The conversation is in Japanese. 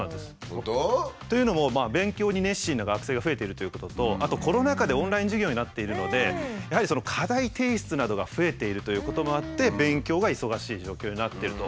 本当？というのも勉強に熱心な学生が増えてるということとあとコロナ禍でオンライン授業になっているのでやはりその課題提出などが増えているということもあって勉強が忙しい状況になってると。